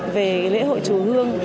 về lễ hội chùa hương